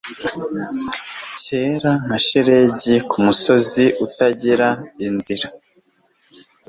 Cyera nka shelegi kumusozi utagira inzira